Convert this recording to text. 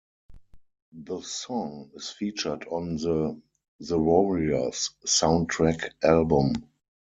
The song is featured on the "The Warriors" soundtrack album.